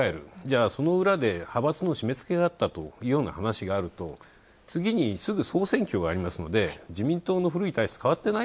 その裏で派閥の締めつけがあったというような話があると、次にすぐ総選挙がありますので自民党、変わってない。